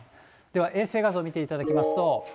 では衛星画像見ていただきますと。